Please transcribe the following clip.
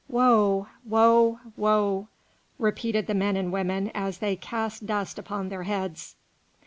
"Woe! woe! woe!" repeated the men and women as they cast dust upon their heads.